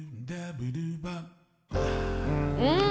うん！